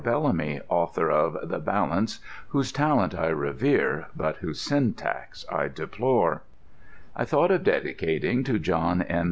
BELLAMY Author of "The Balance" Whose Talent I Revere, But Whose Syntax I Deplore I thought of dedicating to JOHN N.